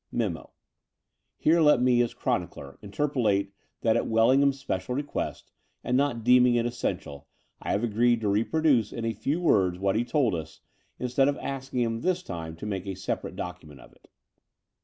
[Memo. Here let me, as chronicler, interpolate fhat at Wellingham's special request, and not deeming it essential, I have agreed to reproduce, in a few words, what he told us, instead of asking him this time to make a separate document of it.